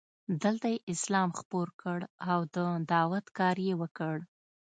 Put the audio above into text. دلته یې اسلام خپور کړ او د دعوت کار یې وکړ.